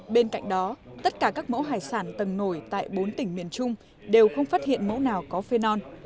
bên cạnh đó tất cả các mẫu hải sản tầng nổi tại bốn tỉnh miền trung đều không phát hiện mẫu nào có phenol